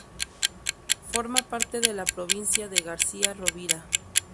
Forma parte de la provincia de García Rovira.